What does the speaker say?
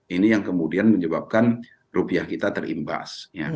ini yang kemudian menyebabkan rupiah kita terimbas